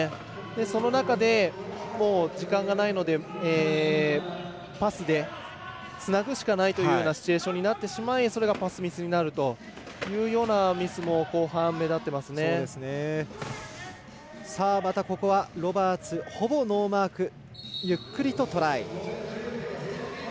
その中で時間がないのでパスでつなぐしかないようなシチュエーションになってしまいそれがパスミスになるというロバーツ、ほぼノーマークゆっくりとトライ。